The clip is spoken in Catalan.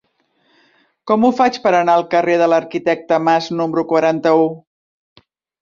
Com ho faig per anar al carrer de l'Arquitecte Mas número quaranta-u?